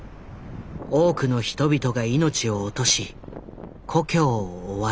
多くの人々が命を落とし故郷を追われた。